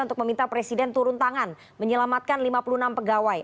untuk meminta presiden turun tangan menyelamatkan lima puluh enam pegawai